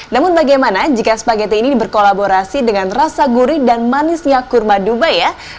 namun bagaimana jika spaghetti ini berkolaborasi dengan rasa gurih dan manisnya kurma dubai ya